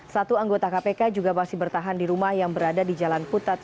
satu anggota kpk juga masih bertahan di rumah yang berada di jalan kutat